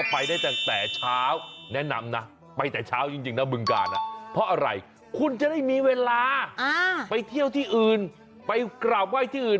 เพราะอะไรคุณจะได้มีเวลาไปเที่ยวที่อื่นไปกราบไหว้ที่อื่น